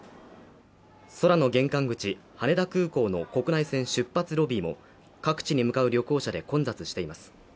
空の玄関口羽田空港の国内線出発ロビーも各地に向かう旅行者で混雑しています